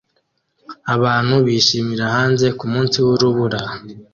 Abantu bishimira hanze kumunsi wurubura